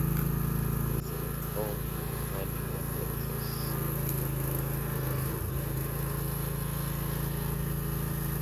Senator Tom Connally of Texas.